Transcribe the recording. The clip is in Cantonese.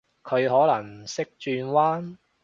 佢可能識轉彎？